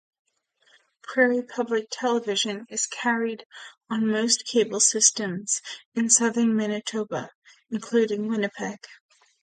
Prairie Public Television is carried on most cable systems in southern Manitoba, including Winnipeg.